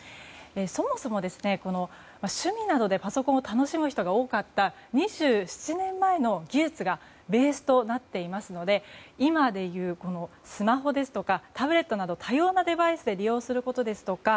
そもそも趣味などでパソコンを楽しむ人が多かった２７年前の技術がベースとなっていますので今でいうスマホですとかタブレットなど多様なデバイスで利用することですとか